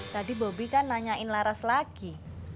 tadi bobi kan nanyain laras lagi